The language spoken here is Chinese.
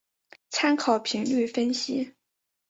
参考频率分析。